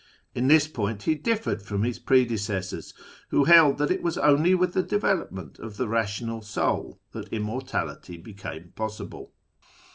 In this point he differed from his predecessors, who held that it was only with the development of the Eational Soul that immortality became possible.